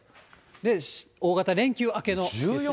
で、大型連休明けの月曜日。